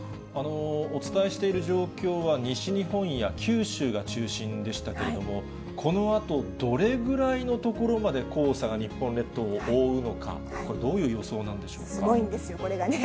お伝えしている状況は、西日本や九州が中心でしたけれども、このあと、どれぐらいの所まで黄砂が日本列島を覆うのか、これ、すごいんですよ、これがね。